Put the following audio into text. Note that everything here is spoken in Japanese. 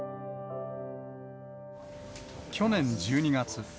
去年１２月。